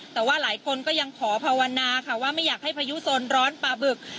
แต่ว่าหลายคนก็ยังขอภาวนาค่ะว่าไม่อยากให้พายุโซนร้อนปลาบึก